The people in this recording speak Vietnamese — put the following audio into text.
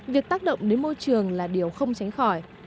việc tác động đến môi trường là điều không tránh khỏi